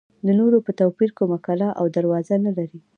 د نورو په توپیر کومه کلا او دروازه نه لري.